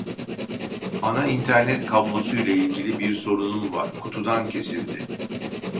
Ana internet kablosuyla ilgili bir sorunum var, kutudan kesildi